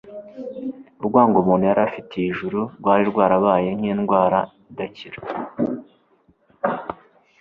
urwango umuntu yari afitiye ijuru rwari rwarabaye nk’indwara idakira.